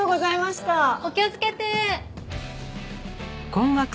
お気をつけて。